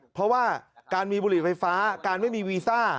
เพราะว่าการมีบุหรี่ไฟฟ้าการไม่มีวีซ่า